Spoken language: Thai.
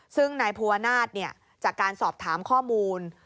ซึ่งนายภูวนาศจากการสอบถามข้อมูล